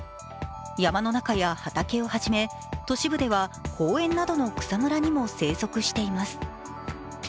山の中や畑をはじめ、都市部では公園などの草むらにも生息しています。